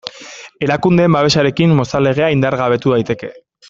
Erakundeen babesarekin Mozal Legea indargabetu daiteke.